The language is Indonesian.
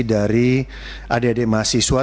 dari adik adik mahasiswa